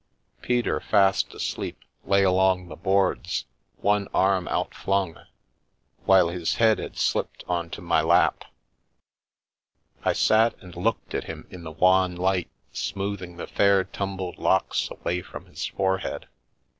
Peter, fast asleep, lay along the boards, one arm outflung, while his head had slipped on to my lap. I sat and looked at him in the wan light, smoothing the fair tumbled locks away from his forehead.